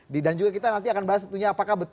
dan juga kita nanti akan bahas apakah